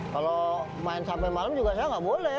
kalau main sampai malam juga saya nggak boleh